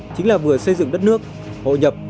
chính là vừa xây dựng đất nước hội nhập